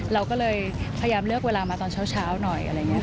เราก็เลยพยายามเลือกเวลามาช้าหน่อย